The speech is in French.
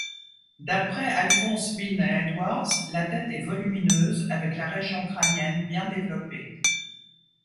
D'après Alphonse Milne-Edwards, la tête est volumineuse, avec la région crânienne bien développée.